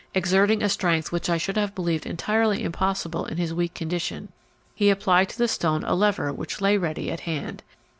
Exerting a strength which I should have believed entirely impossible in his weak condition, he applied to the stone a lever which lay ready at hand.